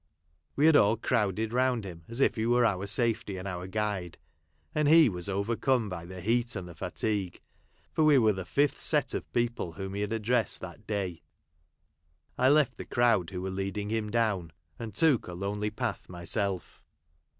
We had all crowded round him as if he were our safety and our guide ; and he was overcome by the heat and the fatigue, for Ave Avere the fifth set of people whom he had addressed that day. I left the croAvd who were leading him down, and took a lonely path myself.